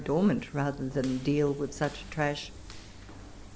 dormant ratlier than deal with such trash.